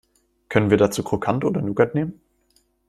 Können wir dazu Krokant oder Nougat nehmen?